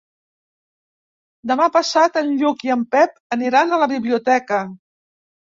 Demà passat en Lluc i en Pep aniran a la biblioteca.